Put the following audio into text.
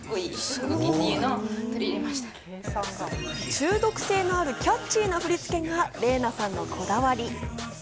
中毒性のあるキャッチーな振り付けがＲｅｉＮａさんのこだわり。